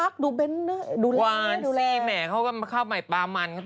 ก็อฆ่าแต่เขาหวานอะ